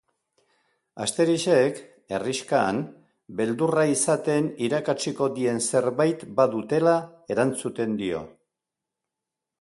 Asterixek, herrixkan, beldurra izaten irakatsiko dien zerbait badutela erantzuten dio.